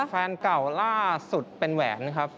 แฟนเก่าล่าสุดเป็นแหวนครับ